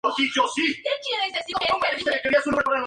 Los vinos poseen un cierto tono dulce y van de secos a muy dulces.